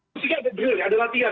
sehingga ada drill ada latihan